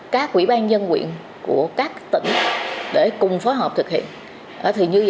các quỹ ban dân quyện của các tỉnh để cùng phối hợp thực hiện